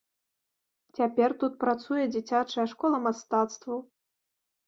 Цяпер тут працуе дзіцячая школа мастацтваў.